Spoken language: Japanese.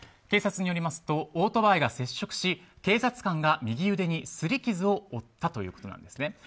警察によりますとオートバイが接触し警察官が右腕に擦り傷を負ったということです。